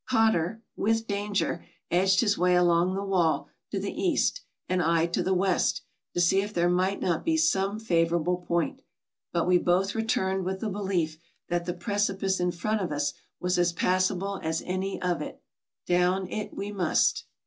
Cotter, with danger, edged his way along the wall to the east, and I to the west, to see if there might not be some favorable point ; but we both returned with the belief that the precipice in front of us was as passable as any of it. Down it we must.